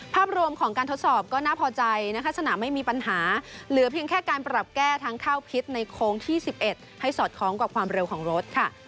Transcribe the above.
ภาพรวมของการทดสอบก็น่าพอใจนะคะสนามไม่มีปัญหาเหลือเพียงแค่การปรับแก้ทั้งข้าวพิษในโค้งที่๑๑ให้สอดคล้องกับความเร็วของรถค่ะ